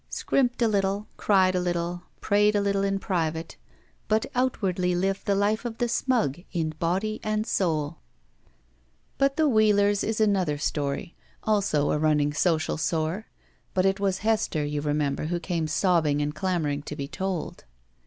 Scrimped a little, cried a little, prayed a little in private, but out wardly lived the life of the smug in body and soul. But the Wheelers' is another story, also a running 68 BACK PAY social sore; but it was Hester, you remember, who came sobbing and clamoring to be told.